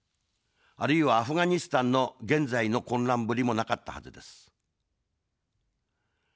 あるいはアフガニスタンの現在の混乱ぶりもなかったはずです。